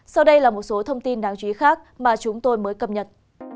sau đây là một số thông tin đáng chú ý khác mà chúng tôi mới cập nhật